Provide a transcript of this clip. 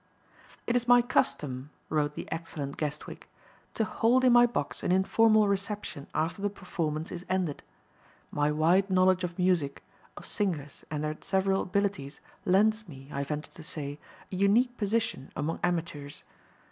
"It is my custom," wrote the excellent Guestwick, "to hold in my box an informal reception after the performance is ended. My wide knowledge of music, of singers and their several abilities lends me, I venture to say, a unique position among amateurs.